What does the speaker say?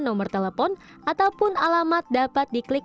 nomor telepon ataupun alamat dapat diklik